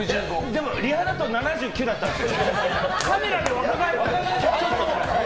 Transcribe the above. でも、リハだと７９だったんです。